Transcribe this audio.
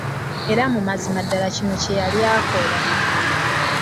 Era mu mazima ddala kino kye yali akola.